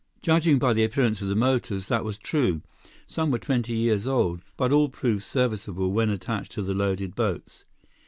Judging by the appearance of the motors, that was true. Some were twenty years old, but all proved serviceable when attached to the loaded boats.